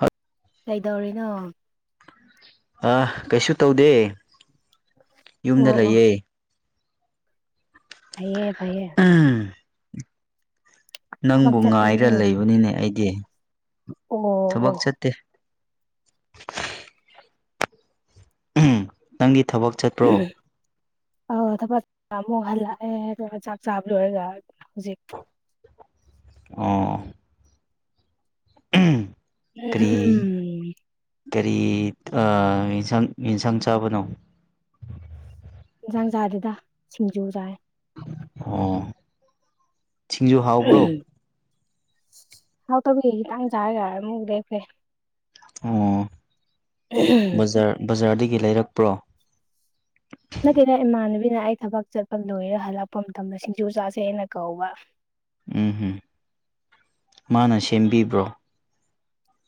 ꯑ ꯀꯩꯗꯧꯔꯤꯅꯣ ꯑ ꯀꯩꯁꯨ ꯇꯧꯗꯦ ꯌꯨꯝꯗ ꯑꯣ ꯂꯩꯌꯦ ꯐꯩꯌꯦ ꯐꯩꯌꯦ ꯎꯝ ꯊꯕꯛ ꯅꯪꯕꯨ ꯆꯠꯄꯕꯨ ꯉꯥꯏꯔ ꯂꯩꯕꯅꯤꯅꯦ ꯑꯩꯗꯤ ꯑꯣ ꯊꯕꯛ ꯑꯣ ꯆꯠꯇꯦ ꯅꯪꯒꯤ ꯊꯕꯛ ꯆꯠꯄ꯭ꯔꯣ ꯑꯍꯝ ꯑ ꯊꯕꯛ ꯑꯃꯨꯛ ꯍꯜꯂꯛꯑꯦ ꯑꯗꯨꯒ ꯆꯥꯛ ꯆꯥꯕ ꯂꯣꯏꯔ ꯂꯣꯏꯔꯒ ꯍꯧꯖꯤꯛ ꯑꯣꯥ ꯀꯔꯤ ꯀꯔꯤ ꯑꯦꯟꯁꯥꯡ ꯌꯦꯟꯁꯥꯡ ꯆꯥꯕꯅꯣ ꯏꯟꯁꯥꯡ ꯆꯥꯗꯦꯗ ꯁꯤꯡꯖꯨ ꯆꯥꯔꯦ ꯑꯣ ꯊꯤꯡꯖꯨ ꯍꯥꯎꯕ꯭ꯔꯣ ꯍꯥꯎ ꯇꯕꯤ ꯈꯤꯇꯪꯖꯥꯔꯒꯔ ꯑꯃꯨꯛ ꯂꯦꯞꯈ꯭ꯔꯦ ꯑꯣ ꯕꯖꯥꯔ ꯕꯖꯥꯔꯗꯒꯤ ꯂꯩꯔꯛꯄ꯭ꯔꯣ ꯅꯠꯇꯦꯗ ꯏꯃꯥꯟꯅꯕꯤꯅ ꯑꯩ ꯊꯕꯛ ꯆꯠꯄ ꯂꯣꯏꯔꯦ ꯍꯜꯂꯛꯄ ꯃꯇꯝꯗ ꯁꯤꯡꯖꯨ ꯆꯥꯁꯦꯅ ꯀꯧꯕ ꯎꯝ ꯍꯝ ꯃꯥꯅ ꯁꯦꯝꯕꯤꯕ꯭ꯔꯣ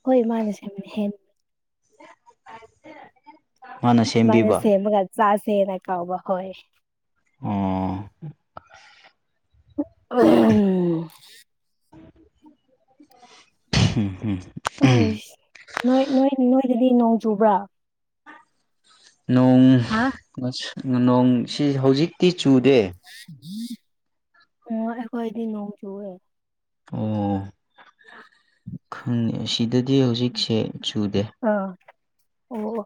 ꯍꯣꯏ ꯃꯥꯅꯁꯦ ꯍꯦ ꯃꯥꯅ ꯃꯥꯅꯦ ꯁꯦꯝꯕꯤꯕ ꯁꯦꯝꯃꯒ ꯆꯥꯁꯦꯅ ꯀꯥꯎꯕ ꯍꯣꯏ ꯑꯣ [unintelligible] ꯍꯝ ꯍꯝ ꯑꯩ ꯅꯣꯏ ꯅꯣꯏ ꯅꯣꯏꯗꯗꯤ ꯅꯣꯡ ꯆꯨꯕ꯭ꯔꯥ ꯅꯣꯡ ꯍꯥ ꯉꯁ ꯅꯣꯡꯁꯤ ꯍꯧꯖꯤꯛꯇꯤ ꯆꯨꯗꯦ ꯑꯣ ꯑꯩꯈꯣꯏꯗꯤ ꯅꯣꯡ ꯁꯨꯏꯋꯦ ꯑꯣ ꯈꯪꯉꯦ ꯑꯁꯤꯗꯗꯤ ꯍꯧꯖꯤꯛꯁꯦ ꯆꯨꯗꯦ ꯑꯥ ꯑꯣ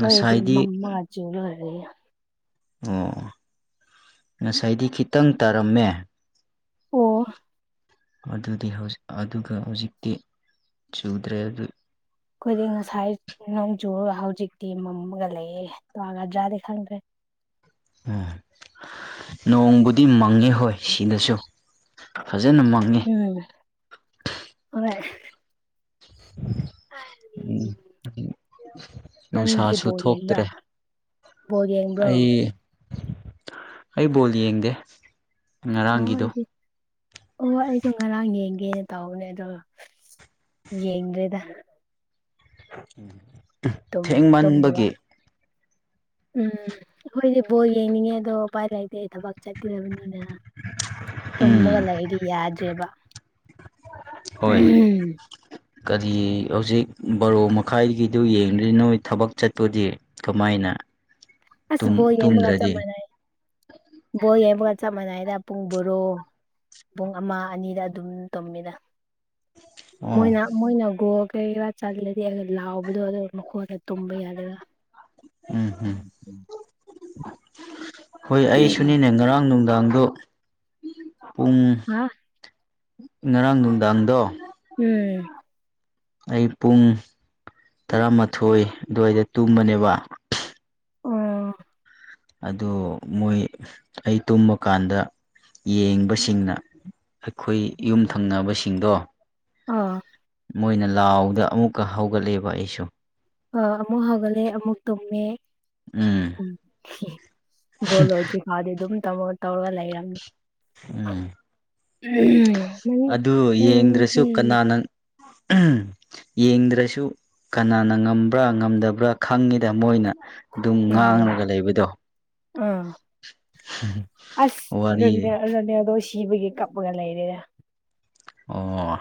ꯉꯁꯥꯏꯗꯤ ꯑꯣ ꯉꯁꯥꯏꯗꯤ ꯈꯤꯇꯪ ꯇꯥꯔꯝꯃꯦ ꯑꯣ ꯑꯗꯨꯗꯤ ꯍꯧ ꯑꯗꯨꯒ ꯍꯧꯖꯤꯛꯇꯤ ꯆꯨꯗ꯭ꯔꯦ ꯑꯗꯨ ꯑꯩꯈꯣꯏꯗꯤ ꯉꯁꯥꯏ ꯅꯣꯡꯖꯨ ꯍꯧꯖꯤꯛꯇꯤ ꯃꯝꯃꯒ ꯂꯩꯌꯦ ꯇꯣꯒꯗ꯭ꯔꯥꯗꯤ ꯈꯪꯗ꯭ꯔꯦ ꯎꯝ ꯅꯣꯡꯕꯨꯗꯤ ꯃꯪꯉꯦ ꯍꯣꯏ ꯁꯤꯗꯁꯨ ꯐꯖꯅ ꯃꯪꯉꯦ ꯎꯝ ꯍꯣꯏ [unintelligible] ꯎꯝ ꯎꯝ ꯅꯪꯗꯤ ꯅꯨꯡꯁꯥꯁꯨ ꯕꯣꯜ ꯌꯦꯡꯕ꯭ꯔꯥ ꯊꯣꯛꯇ꯭ꯔꯦ ꯕꯣꯜ ꯌꯦꯡꯕ꯭ꯔꯣ ꯑꯩ ꯑꯩ ꯕꯣꯜ ꯌꯦꯡꯗꯦ ꯉꯔꯥꯡꯒꯤꯗꯣ ꯑꯣ [inaudible] ꯗꯤ ꯑꯣ ꯑꯩꯁꯨ ꯉꯔꯥꯡ ꯌꯦꯡꯒꯦꯅ ꯇꯧꯕꯅꯦ ꯑꯗꯣ ꯌꯦꯡꯗ꯭ꯔꯦꯗ ꯑꯝ ꯇꯨꯝ ꯇꯨꯝꯃꯕ ꯊꯦꯡꯃꯟꯕꯒꯤ ꯎꯝ ꯑꯩꯈꯣꯏꯗꯤ ꯕꯣꯜ ꯌꯦꯡꯅꯤꯡꯉꯦ ꯑꯗꯣ ꯎꯄꯥꯏ ꯂꯩꯇꯦ ꯑꯩ ꯊꯕꯛ ꯆꯠꯀꯗꯕꯅꯤꯅ ꯇꯨꯝꯃꯒ ꯎꯝ ꯂꯩꯔꯗꯤ ꯌꯥꯗ꯭ꯔꯦꯕ ꯍꯣꯏ ꯀꯔꯤ ꯍꯧꯖꯤꯛ ꯕꯥꯔꯣ ꯃꯈꯥꯏꯒꯤꯗꯨ ꯌꯦꯡꯔꯤ ꯅꯣꯏ ꯊꯕꯛ ꯆꯠꯄꯗꯤ ꯀꯃꯥꯏꯅ ꯑꯁ ꯇꯨꯝ ꯕꯣꯜ ꯌꯦꯡꯕꯒ ꯆꯞ ꯇꯨꯝꯗ꯭ꯔꯗꯤ ꯃꯥꯟꯅꯩ ꯕꯣꯜ ꯌꯦꯡꯕꯒ ꯆꯞ ꯃꯥꯟꯅꯩꯌꯦꯗ ꯄꯨꯡ ꯕꯔꯣ ꯄꯨꯡ ꯑꯃ ꯑꯅꯤꯗ ꯑꯗꯨꯝ ꯇꯨꯝꯃꯤꯗ ꯑꯣ ꯃꯣꯏꯅ ꯃꯣꯏꯅ ꯒꯣꯜ ꯀꯩꯕ ꯆꯜꯂꯗꯤ ꯂꯥꯎꯕꯗꯣ ꯑꯗꯨ ꯃꯈꯣꯜꯗꯨ ꯇꯝꯕ ꯌꯥꯗ ꯋꯥ ꯎꯝ ꯎꯝ ꯍꯣꯏ ꯎꯝ ꯑꯩꯁꯨꯅꯤꯅꯦ ꯉꯔꯥꯡ ꯅꯨꯡꯗꯥꯡꯗꯣ ꯄꯨꯡ ꯉꯥ ꯉꯔꯥꯡ ꯅꯨꯡꯗꯥꯡꯗꯣ [unintelligible] ꯑꯩ ꯄꯨꯡ ꯇꯔꯥꯃꯥꯊꯣꯏ ꯑꯗꯨꯋꯥꯏꯗ ꯇꯨꯝꯕꯅꯦꯕ ꯑꯣ ꯑꯗꯨ ꯃꯣꯏ ꯑꯩ ꯇꯨꯝꯕꯀꯥꯟꯗ ꯌꯦꯡꯕꯁꯤꯡꯅ ꯑꯩꯈꯣꯏ ꯌꯨꯝ ꯊꯪꯅꯕꯁꯤꯡꯗꯣ ꯑꯣ ꯃꯣꯏꯅ ꯂꯥꯎꯗ ꯑꯃꯨꯛꯀ ꯍꯧꯒꯠꯂꯦꯕ ꯑꯩꯁꯨ ꯑ ꯑꯃꯨꯛ ꯍꯧꯒꯠꯂꯦ ꯑꯃꯨꯛ ꯇꯨꯝꯃꯦ ꯎꯝ ꯕꯣꯜ ꯂꯣꯏꯗ꯭ꯔꯤ ꯃꯥꯗꯤ ꯑꯗꯨꯝ ꯇꯧꯔ ꯇꯧꯔꯒ ꯂꯩꯔꯝꯅꯦ ꯎꯝ ꯎꯝ ꯑꯗꯨ ꯌꯦꯡꯗ꯭ꯔꯁꯨ ꯀꯅꯥꯅ ꯌꯦꯡꯗ꯭ꯔꯁꯨ ꯀꯅꯥꯅ ꯉꯝꯕ꯭ꯔꯥ ꯉꯝꯗꯕ꯭ꯔꯥ ꯈꯪꯉꯤꯗ ꯃꯣꯏꯅ ꯑꯗꯨꯝ ꯎꯝ ꯉꯥꯡꯂꯒ ꯂꯩꯕꯗꯣ ꯑꯥ ꯑꯁ ꯌꯦꯡꯗꯦ ꯋꯥꯔꯤ ꯔꯣꯅꯦꯜꯗꯣ ꯁꯤꯕꯒꯤ ꯀꯞꯄꯒ ꯂꯩꯔꯦ ꯑꯣ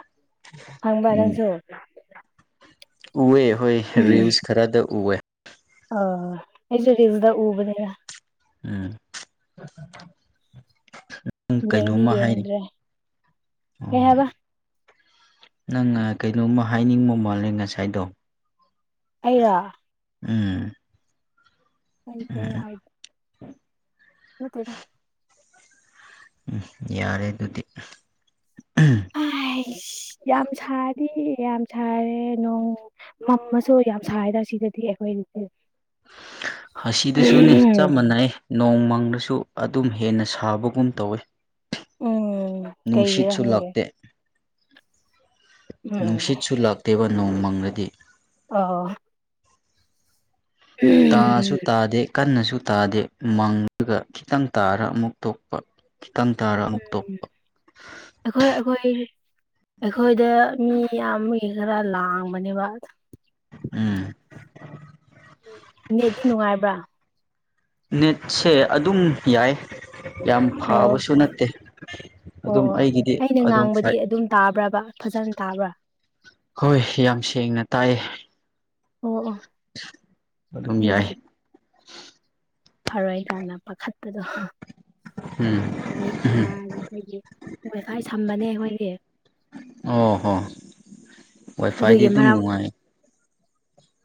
ꯈꯥꯕꯥ ꯎꯝ ꯅꯥꯁꯨ ꯎꯑꯦ ꯍꯣꯏ ꯔꯤꯜꯁ ꯈꯔꯗ ꯎꯑꯦ ꯑ ꯑꯩꯁꯨꯔꯤꯖꯗ ꯎꯕꯅꯦ ꯎꯝ ꯨ ꯌꯦꯡꯗꯤ ꯀꯩꯅꯣꯝꯃ ꯍꯥꯏꯔꯤ ꯌꯦꯡꯗ꯭ꯔꯦ ꯀꯩ ꯑꯣ ꯍꯥꯏꯕ ꯅꯪ ꯉ ꯀꯩꯅꯣꯝꯃ ꯍꯥꯏꯅꯤꯡꯕ ꯃꯥꯜꯂꯦ ꯉꯁꯥꯏꯗꯣ ꯑꯩꯔꯥ ꯎꯝ ꯑꯩ ꯀꯩ ꯍꯥꯏ [inaudible] ꯅꯠꯇꯦꯗ ꯎꯝ ꯌꯥꯔꯦ ꯑꯗꯨꯗꯤ ꯑꯥꯏꯁ ꯌꯥꯝ ꯁꯥꯗꯤ ꯌꯥꯝ ꯁꯥꯔꯦ ꯅꯣꯡ ꯃꯝꯃꯁꯨ ꯌꯥꯝ ꯁꯥꯏꯗꯥ ꯁꯤꯗꯗꯤ ꯑꯩꯈꯣꯏ ꯑꯁꯤꯗ ꯁꯨꯅꯦ ꯆꯞ ꯃꯥꯟꯅꯩ ꯅꯣꯡꯃꯪꯂꯁꯨ ꯑꯗꯨꯝ ꯍꯦꯟꯅ ꯁꯥꯕꯒꯨꯝ ꯇꯧꯋꯤ ꯎꯝ ꯀꯩꯒꯤꯔ ꯅꯨꯡꯁꯤꯠꯁꯨ ꯈꯪꯗꯦ ꯂꯥꯛꯇꯦ ꯎꯝ ꯅꯨꯡꯁꯤꯠꯁꯨ ꯂꯥꯛꯇꯦꯕ ꯅꯣꯡ ꯃꯪꯂꯗꯤ ꯑꯣ ꯎꯝ ꯇꯥꯁꯨ ꯇꯥꯗꯦ ꯀꯟꯅꯁꯨ ꯇꯥꯗꯦ ꯃꯪꯒ ꯈꯤꯇꯪ ꯇꯥꯔ ꯑꯃꯨꯛ ꯇꯣꯛꯄ ꯈꯤꯇꯪ ꯇꯥꯔ ꯑꯃꯨꯛ ꯇꯣꯛꯄ ꯑꯩꯈꯣꯏ ꯑꯩꯈꯣꯏ ꯑꯩꯈꯣꯏꯗ ꯃꯤ ꯌꯥꯝ ꯃꯤ ꯈꯔ ꯂꯥꯡꯕꯅꯦꯕ ꯎꯝ ꯅꯦꯠꯇꯤ ꯅꯨꯡꯉꯥꯏꯕ꯭ꯔꯥ ꯅꯦꯠꯁꯦ ꯑꯗꯨꯝ ꯌꯥꯏ ꯌꯥꯝ ꯑꯣ ꯐꯕꯁꯨ ꯅꯠꯇꯦ ꯑꯣ ꯑꯗꯨꯝ ꯑꯣ ꯑꯩꯒꯤꯗꯤ ꯑꯩꯅ ꯑꯗꯨꯝ ꯐꯩ ꯉꯥꯡꯕꯗꯤ ꯑꯗꯨꯝ ꯇꯥꯕ꯭ꯔꯥꯕ ꯐꯖꯟ ꯇꯥꯕ꯭ꯔꯥ ꯍꯣꯏ ꯌꯥꯝ ꯁꯦꯡꯅ ꯇꯥꯏꯌꯦ ꯑꯣ ꯑꯣ ꯑꯗꯨꯝ ꯌꯥꯏ ꯐꯥꯔꯣꯏ ꯀꯥꯟꯗ ꯄꯥꯈꯠꯄꯗꯣ ꯎꯝ ꯅꯦꯠ ꯌꯥꯔꯦ ꯑꯩꯈꯣꯏꯒꯤ ꯋꯥꯏ ꯐꯥꯏ ꯁꯝꯕꯅꯦ ꯑꯩꯈꯣꯏꯒꯤ ꯑꯣ ꯍꯣ ꯋꯥꯏꯐꯥꯏꯗꯤ ꯑꯗꯨꯝ ꯅꯨꯡꯉꯥꯏ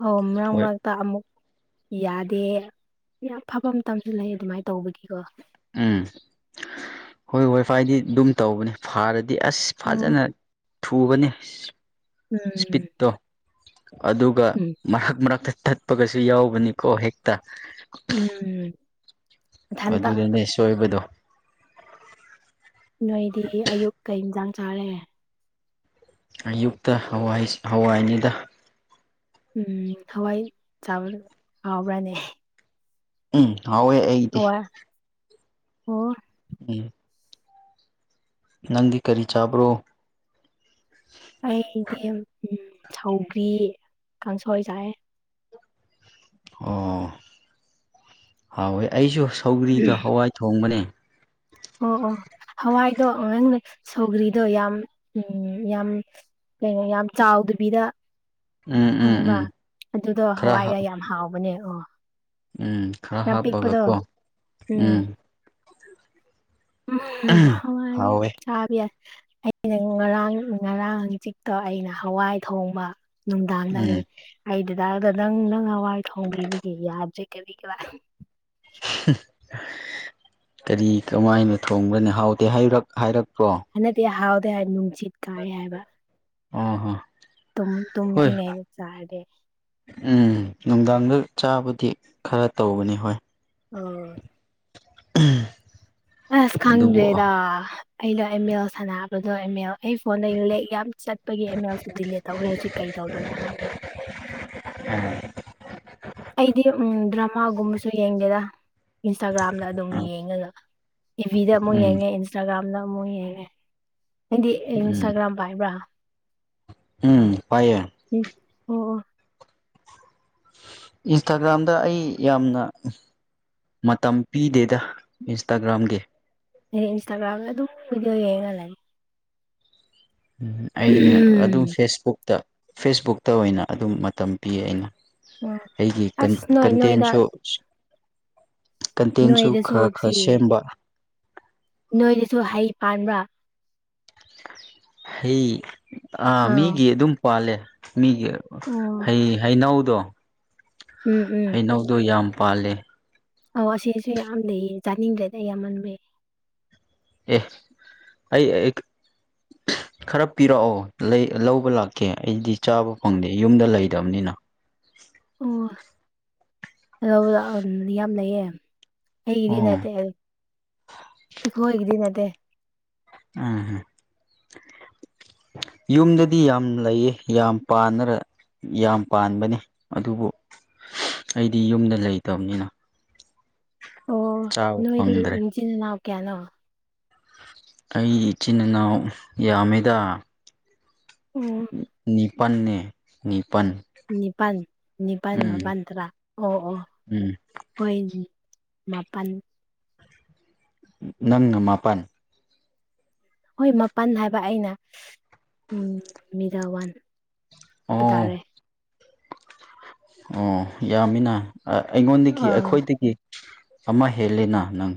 ꯑꯣ ꯃꯔꯛ ꯍꯣꯏ ꯃꯔꯛ ꯇ ꯑꯃꯨꯛ ꯌꯥꯗꯦ ꯌꯥꯝ ꯐꯕ ꯃꯇꯝꯁꯨ ꯂꯩ ꯑꯗꯨꯃꯥꯏꯅ ꯇꯧꯕꯒꯤꯀꯣ ꯎꯝ ꯍꯣꯏ ꯋꯥꯏ ꯐꯥꯏꯗꯤ ꯑꯗꯨꯝ ꯇꯧꯕꯅꯦ ꯐꯥꯔꯗꯤ ꯑꯁ ꯐꯖꯅ ꯊꯨꯕꯅꯤ ꯎꯝ ꯏꯁꯄꯤꯠꯇꯣ ꯑꯗꯨꯒ ꯎꯝ ꯃꯔꯛ ꯃꯔꯛꯇ ꯊꯠꯄꯒꯁꯨ ꯌꯥꯎꯕꯅꯤꯀꯣ ꯍꯦꯛꯇ ꯎꯝ ꯏꯊꯟꯇ ꯑꯗꯨꯗꯅꯦ ꯁꯣꯏꯕꯗꯣ ꯅꯣꯏꯗꯤ ꯑꯌꯨꯛ ꯀꯩ ꯍꯦꯟꯖꯥꯡ ꯆꯥꯔꯦ ꯑꯌꯨꯛꯇ ꯍꯋꯥꯏ ꯍꯋꯥꯏꯅꯤꯗ ꯎꯝ ꯍꯋꯥꯏ ꯆꯥꯕ ꯍꯥꯎꯕ꯭ꯔꯥꯅꯦ ꯎꯝ ꯍꯥꯎꯋꯦ ꯑꯩꯗꯤ ꯍꯋꯥꯏ ꯑꯣ ꯎꯝ ꯅꯪꯗꯤ ꯀꯔꯤ ꯆꯥꯕ꯭ꯔꯣ ꯑꯩꯗꯤ ꯁꯧꯒ꯭ꯔꯤ ꯀꯥꯡꯁꯣꯏ ꯆꯥꯏꯌꯦ ꯑꯣ ꯍꯥꯎꯋꯦ ꯑꯩꯁꯨ ꯁꯧꯒ꯭ꯔꯤꯒ ꯍꯋꯥꯏ ꯊꯣꯡꯕꯅꯦ ꯑꯣ ꯑꯣ ꯍꯋꯥꯏꯗꯣ ꯑꯉꯥꯡꯅ ꯁꯧꯒ꯭ꯔꯤꯗꯣ ꯌꯥꯝ ꯎꯝ ꯌꯥꯝ ꯀꯩꯅꯣ ꯌꯥꯝ ꯆꯥꯎꯗꯕꯤꯗ ꯎꯝ ꯎꯝ ꯈꯪꯕ꯭ꯔꯥ ꯎꯝ ꯑꯗꯨꯗꯣ ꯈꯔ ꯍꯋꯥꯏꯒ ꯌꯥꯝ ꯍꯥꯎꯕꯅꯦ ꯑꯣ ꯎꯝ ꯈꯔ ꯌꯥꯝ ꯍꯥꯞꯄꯒ ꯄꯤꯛꯄꯗꯣ ꯀꯣ ꯎꯝ ꯎꯝ ꯍꯥꯋꯥꯏꯅꯤ ꯍꯥꯎꯋꯦ ꯆꯥꯕ ꯑꯩꯅ ꯉꯔꯥꯡ ꯉꯔꯥꯡ ꯍꯪꯆꯤꯠꯇꯣ ꯑꯩꯅ ꯍꯋꯥꯏ ꯊꯣꯡꯕ ꯅꯨꯡꯗꯥꯡꯗ ꯎꯝ ꯍꯥꯏꯔꯒ ꯑꯩ ꯗꯗꯥꯗ ꯅꯪ ꯅꯪ ꯍꯋꯥꯏ ꯊꯣꯡꯕꯤꯕꯒꯤ ꯌꯥꯗ꯭ꯔꯦ ꯀꯔꯤ ꯀꯔꯥ ꯀꯔꯤ ꯀꯃꯥꯏꯅ ꯊꯣꯡꯕ꯭ꯔꯅꯤ ꯍꯥꯎꯇꯦ ꯍꯥꯏꯔꯛ ꯍꯥꯏꯔꯛꯄ꯭ꯔꯣ ꯍꯟꯗꯛꯗꯤ ꯍꯥꯎꯗꯦ ꯍꯥꯏ ꯅꯨꯡꯖꯤꯠ ꯀꯥꯏ ꯍꯥꯏꯕ ꯑꯥ ꯑꯥ ꯇꯨꯝ ꯇꯨꯝꯗ꯭ꯔꯤꯉꯩꯗ ꯆꯥꯔꯗꯤ ꯎꯝ ꯅꯨꯡꯗꯥꯡꯗ ꯆꯥꯕꯗꯤ ꯈꯔ ꯇꯧꯕꯅꯤ ꯍꯣꯏ ꯑꯣꯏ ꯎꯍꯝ ꯑꯁ ꯈꯪꯗ꯭ꯔꯦꯗ ꯑꯩꯗꯣ ꯑꯦꯝꯃꯦꯜ ꯁꯥꯟꯅꯕꯗꯣ ꯑꯦꯃꯦꯜ ꯑꯩ ꯐꯣꯟꯗꯣ ꯏꯂꯦꯛ ꯌꯥꯝ ꯆꯠꯄꯒꯤ ꯑꯦꯃꯦꯜꯁꯨ ꯗꯤꯂꯦꯟ ꯇꯧꯈ꯭ꯔꯦ ꯍꯧꯖꯤꯛ ꯀꯩꯗꯧꯗꯣꯏꯅꯣ ꯍꯪꯗꯔ꯭ꯦꯕ ꯎꯝ ꯑꯩꯗꯤ ꯎꯝ ꯗ꯭ꯔꯃꯥꯒꯨꯝꯕꯁꯨ ꯌꯦꯡꯗꯦꯗ ꯏꯟꯁꯇꯥꯒ꯭ꯔꯥꯝꯗ ꯑꯗꯨꯝ ꯌꯦꯡꯉꯒ ꯇꯤꯚꯤꯗ ꯑꯃꯨꯛ ꯎꯝ ꯌꯦꯡꯉꯦ ꯏꯟꯁꯇ꯭ꯔꯥꯒꯥꯝꯗ ꯑꯃꯨꯛ ꯌꯦꯡꯉꯦ ꯅꯪꯗꯤ ꯎꯝ ꯏꯟꯁꯇꯒ꯭ꯔꯥꯝ ꯄꯥꯏꯕ꯭ꯔꯥ ꯎꯝ ꯄꯥꯏꯌꯦ ꯎꯝ ꯑꯣ ꯑꯣ ꯏꯟꯁꯇꯥꯒ꯭ꯔꯥꯝꯗ ꯑꯩ ꯌꯥꯝꯅ ꯃꯇꯝ ꯄꯤꯗꯦꯗ ꯏꯟꯁꯇꯥꯒ꯭ꯔꯥꯝꯒꯤ ꯑꯩ ꯏꯟꯁꯇꯥꯒ꯭ꯔꯥꯝꯗ ꯑꯗꯨꯝ ꯚꯗꯤꯑꯣ ꯌꯦꯡꯉ ꯂꯩ ꯎꯝ ꯑꯩꯅ ꯑꯗꯨꯝ ꯐꯦꯁꯕꯨꯛꯇ ꯐꯦꯁꯕꯨꯛꯇ ꯑꯣꯏꯅ ꯑꯗꯨꯝ ꯃꯇꯝ ꯄꯤ ꯑꯩꯅ ꯎꯝ ꯑꯣ ꯑꯩꯒꯤ ꯀꯟ ꯑꯁ ꯅꯣꯏ ꯅꯣꯏꯗ ꯀꯟꯇꯦꯟꯁꯨ ꯀꯟꯇꯦꯟꯁꯨ ꯅꯣꯏꯗꯁꯨ ꯈꯔ ꯆꯤ ꯈꯔ ꯁꯦꯝꯕ ꯅꯣꯏꯗꯁꯨ ꯍꯩ ꯄꯥꯟꯕ꯭ꯔꯥ ꯍꯩ ꯑ ꯑꯥ ꯑꯣ ꯃꯤꯒꯤ ꯑꯗꯨꯝ ꯄꯥꯜꯂꯦ ꯃꯤꯒꯤ ꯍꯩ ꯍꯩꯅꯧꯗꯣ ꯎꯝ ꯎꯝ ꯍꯩꯅꯧꯗꯣ ꯌꯥꯝ ꯄꯥꯜꯂꯦ ꯑꯧ ꯑꯁꯤꯁꯨ ꯌꯥꯝ ꯂꯩꯌꯦ ꯆꯥꯅꯤꯡꯗꯔꯦꯗ ꯌꯥꯝꯃꯟꯕꯩ ꯑꯦ ꯑꯩ ꯑꯦꯛ ꯈꯔ ꯄꯤꯔꯛꯑꯣ ꯂꯩ ꯂꯧꯕ ꯂꯥꯛꯀꯦ ꯑꯩꯗꯤ ꯆꯥꯕ ꯐꯪꯗꯦ ꯌꯨꯝꯗ ꯂꯩꯗꯝꯅꯤꯅ ꯑꯣ ꯂꯧꯕ ꯂꯥꯛꯑꯣ ꯌꯥꯝ ꯂꯩꯌꯦ ꯑꯩꯒꯤꯗꯤ ꯑꯣ ꯅꯠꯇꯦ ꯑꯩꯈꯣꯏꯒꯤꯗꯤ ꯅꯠꯇꯦ ꯑꯥ ꯑꯥ ꯌꯨꯝꯗꯗꯤ ꯌꯥꯝ ꯂꯩꯌꯦ ꯌꯥꯝ ꯄꯥꯅꯔ ꯌꯥꯝ ꯄꯥꯟꯕꯅꯤ ꯑꯗꯨꯕꯨ ꯑꯩꯗꯤ ꯌꯨꯝꯗ ꯂꯩꯇꯝꯅꯤꯅ ꯑꯣ ꯅꯣꯏꯗꯤ ꯐꯪꯗ꯭ꯔꯦ ꯏꯟꯆꯤꯟ ꯏꯅꯥꯎ ꯀꯌꯥꯅꯣ ꯑꯩ ꯏꯆꯤꯟ ꯏꯅꯥꯎ ꯌꯥꯝꯃꯦꯗ ꯑꯣ ꯅꯤꯞ ꯄꯟꯅꯦ ꯅꯤꯄꯟ ꯅꯤꯄꯥꯟ ꯅꯤꯄꯥꯟ ꯃꯄꯥꯟ ꯇꯔꯥ ꯑꯣ ꯑꯣ ꯎꯝ ꯍꯣꯏ ꯗꯤ ꯃꯥꯄꯟ ꯅꯪꯅ ꯃꯥꯄꯟ ꯍꯣꯏ ꯃꯄꯟ ꯍꯥꯏꯕ ꯑꯩꯅ ꯎꯝ ꯃꯤꯗꯜ ꯋꯥꯟ ꯍꯥꯏꯄ ꯑꯣ ꯇꯥꯔꯦ ꯑꯣ ꯌꯥꯝꯃꯤꯅ ꯑ ꯑ ꯑꯩꯉꯣꯟꯗꯒꯤ ꯑꯩꯈꯣꯏꯗꯒꯤ ꯑꯃ ꯍꯦꯜꯂꯦꯅ ꯅꯪ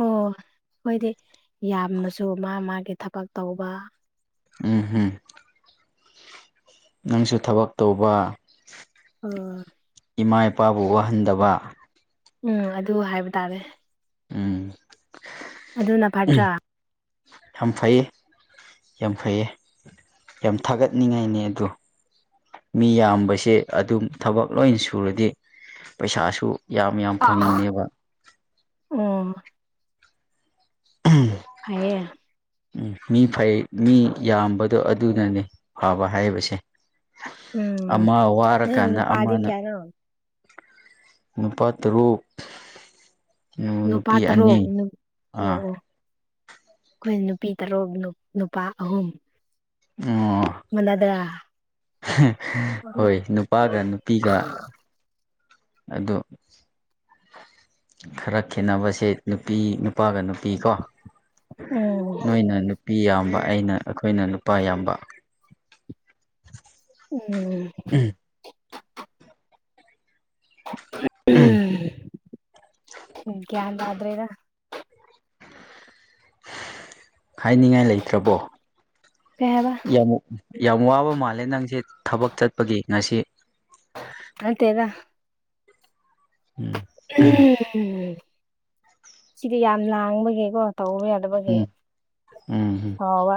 ꯑꯣ ꯈꯣꯏꯗꯤ ꯌꯥꯝꯃꯁꯨ ꯃꯥ ꯃꯥꯒꯤ ꯊꯕꯛ ꯇꯧꯕ ꯎꯝ ꯍꯝ ꯅꯪꯁꯨ ꯊꯕꯛ ꯇꯧꯕ ꯑꯣ ꯏꯃꯥ ꯏꯄꯥꯕꯨ ꯋꯥꯍꯟꯗꯕ ꯎꯝ ꯑꯗꯨ ꯍꯥꯏꯕ ꯇꯥꯔꯦ ꯎꯝ ꯑꯗꯨꯅ ꯐꯠꯇ꯭ꯔꯥ ꯌꯝ ꯐꯩ ꯌꯥꯝ ꯐꯩꯌꯦ ꯌꯥꯝ ꯊꯥꯒꯠꯅꯤꯡꯉꯥꯏꯅꯦ ꯑꯗꯨ ꯃꯤ ꯌꯥꯝꯕꯁꯦ ꯑꯗꯨꯝ ꯊꯕꯛ ꯂꯣꯏꯅ ꯁꯨꯔꯗꯤ ꯄꯩꯁꯥꯁꯨ ꯌꯥꯝ ꯌꯥꯝ ꯐꯪꯕꯅꯦꯕ ꯑꯣ [unintelligible] ꯐꯩꯌꯦ ꯎꯝ ꯃꯤ ꯐꯩ ꯃꯤ ꯌꯥꯝꯕꯗꯣ ꯑꯗꯨꯅꯅꯦ ꯐꯕ ꯍꯥꯏꯕꯁꯦ ꯎꯝ ꯑꯃ ꯅꯪ ꯋꯥꯔꯀꯥꯟꯗ ꯅꯨꯄꯥꯗꯤ ꯑꯃꯅ ꯀꯌꯥꯅꯣ ꯅꯨꯄꯥ ꯇꯔꯨꯛ ꯅꯨꯄꯥ ꯅꯨꯄꯤ ꯑꯅꯤ ꯇꯔꯨꯛ ꯅꯨ ꯑꯥ ꯑꯩꯈꯣꯏꯅ ꯅꯨꯄꯤ ꯇꯔꯨꯛ ꯅꯨꯅꯨꯄꯥ ꯑꯍꯨꯝ ꯑꯣ ꯃꯥꯟꯅꯗ꯭ꯔ ꯍꯣꯏ ꯅꯨꯄꯥꯒ ꯅꯨꯄꯤꯒ ꯑꯗꯣ ꯈꯔ ꯈꯦꯅꯕꯁꯦ ꯅꯨꯄꯤ ꯅꯨꯄꯥꯒ ꯅꯨꯄꯤ ꯀꯣ ꯅꯣꯏꯅ ꯅꯨꯄꯤ ꯌꯥꯝꯕ ꯑꯩꯅ ꯑꯩꯈꯣꯏꯅ ꯅꯨꯄꯥ ꯌꯥꯝꯕ ꯎꯝ ꯎꯝꯍꯨꯝ ꯒ꯭ꯌꯥꯟ ꯇꯥꯗ꯭ꯔꯦꯗ ꯍꯥꯏꯅꯤꯡꯉꯥꯏ ꯂꯩꯇ꯭ꯔꯕꯣ ꯀꯩ ꯍꯥꯏꯕ ꯌꯥꯝ ꯌꯥꯝ ꯋꯥꯕ ꯃꯥꯜꯂꯦ ꯅꯪꯁꯦ ꯊꯕꯛ ꯆꯠꯄꯒꯤ ꯉꯁꯤ ꯅꯠꯇꯦꯗ ꯎꯝ ꯎꯝ ꯁꯤꯗꯤ ꯌꯥꯝ ꯂꯥꯡꯕꯒꯤꯀꯣ ꯇꯧꯕ ꯌꯥ ꯗꯕꯒꯤ ꯎꯝ ꯎꯝ ꯁꯥꯎꯕ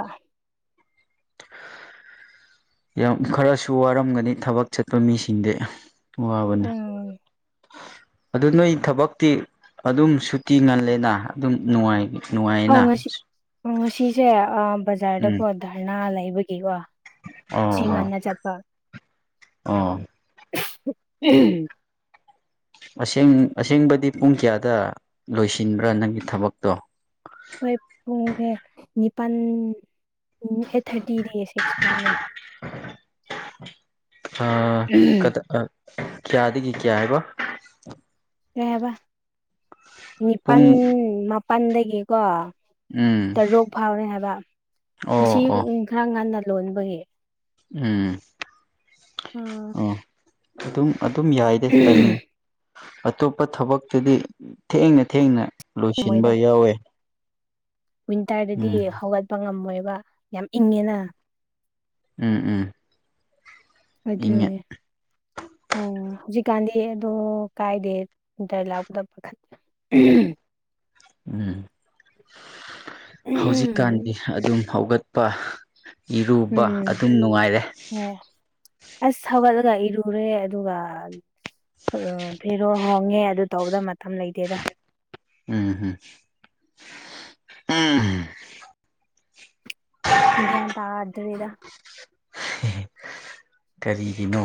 ꯌꯥꯝ ꯈꯔꯁꯨ ꯋꯥꯔꯝꯒꯅꯤ ꯊꯕꯛ ꯆꯠꯄ ꯃꯤꯁꯤꯡꯗꯤ ꯋꯥꯕꯅꯤ ꯎꯝ ꯑꯗꯨ ꯅꯣꯏ ꯊꯕꯛꯇꯤ ꯑꯗꯨꯝ ꯁꯨꯇꯤ ꯉꯜꯂꯦꯅ ꯑꯗꯨꯝ ꯅꯨꯡꯉꯥꯏꯒꯦ ꯑꯧ ꯉꯁꯤ ꯑ ꯉꯁꯤꯁꯦ ꯑ ꯎꯝ ꯕꯖꯥꯔꯗꯀꯣ ꯙꯔꯅꯥ ꯂꯩꯕꯒꯤꯀꯣ ꯑꯣ ꯁꯤ ꯑꯣ ꯉꯥꯟꯅ ꯆꯠꯄ ꯑꯣ [unintelligible] ꯑꯁꯦꯡ ꯑꯁꯦꯡꯕꯗꯤ ꯄꯨꯡ ꯀꯌꯥꯗ ꯂꯣꯏꯁꯤꯟꯕ꯭ꯔꯥ ꯅꯪꯒꯤ ꯊꯕꯛꯇꯣ ꯍꯣꯏ ꯄꯨꯡꯊ‌ꯦ ꯅꯤꯄꯜ ꯑꯩꯠ ꯊꯥꯔꯇꯤꯗꯩ ꯁꯤꯛꯁ ꯐꯥꯎꯅꯦ ꯑ ꯀꯗꯥ ꯀꯌꯥꯗꯒꯤ ꯀꯌꯥ ꯍꯥꯏꯕ ꯀꯩ ꯍꯥꯏꯕ ꯅꯤꯄꯟ ꯄꯨꯡ ꯃꯥꯄꯟꯗꯒꯤꯀꯣ ꯎꯝ ꯇꯔꯣꯛ ꯐꯥꯎꯔꯦ ꯍꯥꯏꯕ ꯑꯣ ꯉꯁꯤ ꯑꯣ ꯈꯔ ꯉꯟꯅ ꯂꯣꯟꯕꯒꯤ ꯎꯝ ꯑꯣ ꯑꯗꯨꯝ ꯑꯗꯨꯝ ꯌꯥꯏꯗ ꯇꯥꯏꯃꯤꯡ ꯑꯇꯣꯞꯄ ꯊꯕꯛꯀꯤꯗꯤ ꯊꯦꯡꯅ ꯊꯦꯡꯅ ꯃꯣꯏꯗ ꯂꯣꯏꯁꯤꯟꯕ ꯌꯥꯎꯋꯦ ꯋꯤꯟꯇꯔꯗꯗꯤ ꯎꯝ ꯍꯧꯒꯠꯄ ꯉꯝꯃꯣꯏꯕ ꯌꯥꯝ ꯏꯪꯉꯦꯅ ꯎꯝ ꯎꯝ ꯏꯪꯉꯦ ꯑꯗꯨꯅꯦ ꯎꯝ ꯍꯧꯖꯤꯛꯀꯥꯟꯗꯤ ꯑꯗꯣ ꯀꯥꯏꯗꯦ ꯋꯤꯟꯇꯔ ꯂꯥꯛꯄꯗ ꯄꯨꯈꯠ [unintelligible] ꯎꯝ ꯍꯧꯖꯤꯛꯀꯥꯟꯗꯤ ꯎꯝ ꯑꯗꯨꯝ ꯍꯧꯒꯠꯄ ꯏꯔꯨꯕ ꯎꯝ ꯑꯗꯨꯝ ꯅꯨꯡꯉꯥꯏꯔꯦ ꯑꯣ ꯑꯁ ꯊꯧꯒꯠꯂꯒ ꯏꯔꯨꯔꯦ ꯑꯗꯨꯒ ꯎꯝ ꯐꯤꯔꯣꯜ ꯍꯣꯡꯉꯦ ꯑꯗꯨ ꯇꯧꯕꯗ ꯃꯇꯝ ꯂꯩꯇꯦꯗ ꯎꯝꯍꯝ ꯎꯝ [unintelligible] ꯒ꯭ꯌꯥꯟ ꯇꯥꯗ꯭ꯔꯤꯗ ꯀꯔꯤꯒꯤꯅꯣ